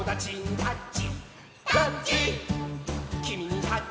タッチ！